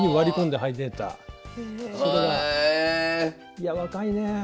いや若いね！